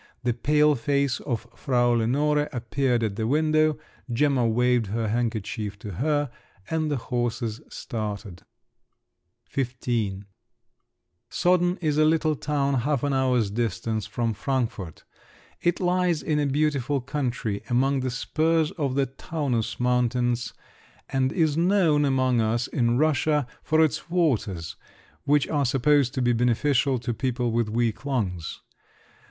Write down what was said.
The pale face of Frau Lenore appeared at the window; Gemma waved her handkerchief to her, and the horses started. XV Soden is a little town half an hour's distance from Frankfort. It lies in a beautiful country among the spurs of the Taunus Mountains, and is known among us in Russia for its waters, which are supposed to be beneficial to people with weak lungs.